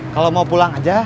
kalau mau pulang aja